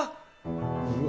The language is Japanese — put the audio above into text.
うわ。